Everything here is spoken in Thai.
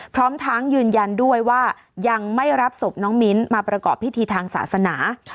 พร้อมทั้งยืนยันด้วยว่ายังไม่รับศพน้องมิ้นมาประกอบพิธีทางศาสนา